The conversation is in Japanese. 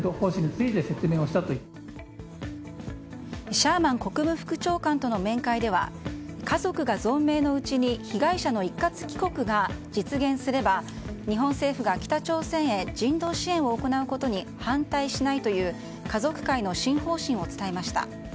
シャーマン国務副長官との面会では家族が存命のうちに被害者の一括帰国が実現すれば、日本政府が北朝鮮へ人道支援を行うことに反対しないという家族会の新方針を伝えました。